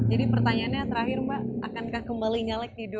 jadi pertanyaannya terakhir mbak akankah kembali nyalek di dua ribu dua puluh empat